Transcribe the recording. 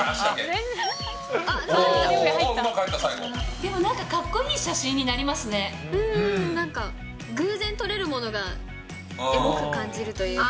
でもなんか、かっこいい写真なんか、偶然撮れるものがエモく感じるというか。